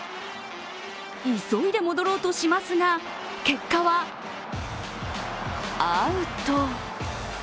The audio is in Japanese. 急いで戻ろうとしますが、結果はアウト。